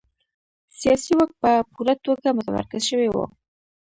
سیاسي واک په پوره توګه متمرکز شوی و.